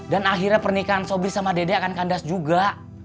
dan akhirnya pernikahan sobri sama dede akan kandas juga